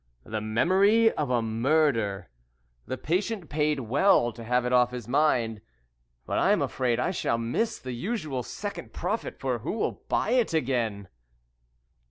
"The memory of a murder. The patient paid well to have it off his mind, but I am afraid I shall miss the usual second profit, for who will buy it again?"